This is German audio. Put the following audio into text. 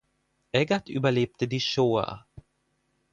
Eggert überlebte die Shoa.